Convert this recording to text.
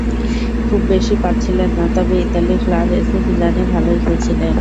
খুব বেশি পাচ্ছিলেন না, তবে ইতালির ক্লাব এসি মিলানে ভালোই খেলছিলেন।